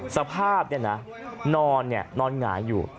สภาพนอนนอนหงายอยู่